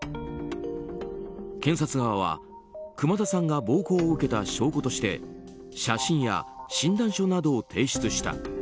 検察側は熊田さんが暴行を受けた証拠として写真や診断書などを提出した。